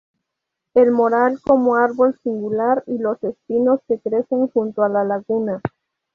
El moral como árbol singular y los espinos que crecen junto a la laguna.